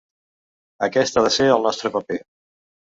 Aquest ha de ser el nostre paper.